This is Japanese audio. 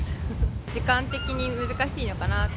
時間的に難しいのかなって。